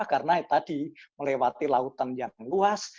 karena tadi melewati lautan yang luas